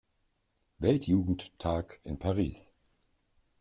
Weltjugendtag in Paris.